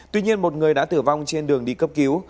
tuy nhiên một người đã tử vong trên đường đi cấp cứu